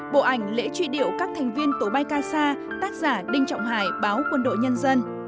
bộ ảnh lễ truy điệu các thành viên tổ bay ca xa tác giả đinh trọng hải báo quân đội nhân dân